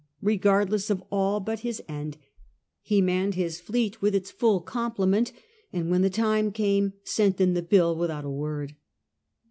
Eegardless of all but his end, he manned his fleet with its full complement, and when the time came sent in the bill without a word.